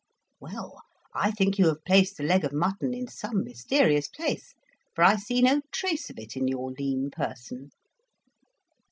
"Well, I think you have placed the leg of mutton in some mysterious place, for I see no trace of it in your lean person."